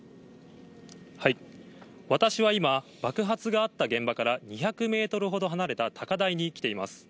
私は今、爆発があった現場から２００メートルほど離れた高台に来ています。